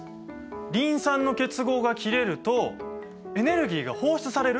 リン酸の結合が切れるとエネルギーが放出される？